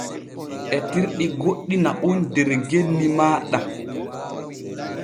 Etirɗi goɗɗi na’on der genni maaɗa.